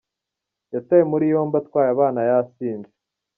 Yatawe muri yombi atwaye Abana yasinze